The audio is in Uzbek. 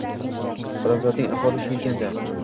Odamzodning ahvoli shu ekan-da.